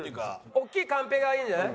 大きいカンペがいいんじゃない？